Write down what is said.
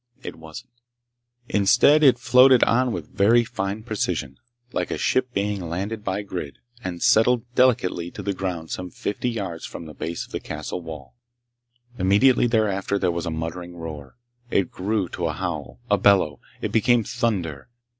It wasn't. Instead, it floated on with very fine precision, like a ship being landed by grid, and settled delicately to the ground some fifty yards from the base of the castle wall. Immediately thereafter there was a muttering roar. It grew to a howl—a bellow; it became thunder.